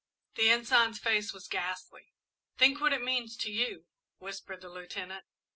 The Ensign's face was ghastly. "Think what it means to you," whispered the Lieutenant.